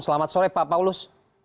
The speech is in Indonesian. selamat sore pak paulus